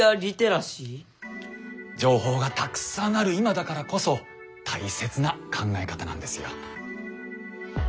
情報がたくさんある今だからこそ大切な考え方なんですよ。